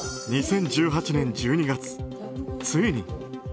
２０１８年１２月、ついに。